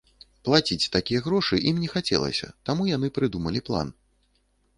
Плаціць такія грошы ім не хацелася, таму яны прыдумалі план.